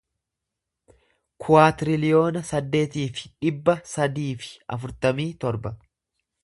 kuwaatiriliyoona saddeetii fi dhibba sadii fi afurtamii torba